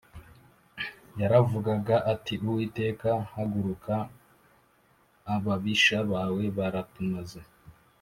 yaravugaga ati Uwiteka haguruka ababisha bawe baratumaze